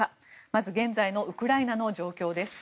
まず現在のウクライナの状況です。